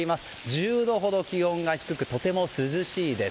１０度ほど気温が低くとても涼しいです。